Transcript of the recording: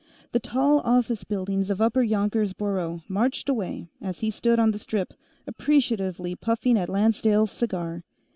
The tall office buildings of upper Yonkers Borough marched away as he stood on the strip, appreciatively puffing at Lancedale's cigar.